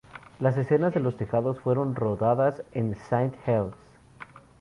Las escenas de los tejados fueron rodadas en Saint Helens.